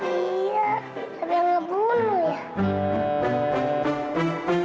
ini pasti dia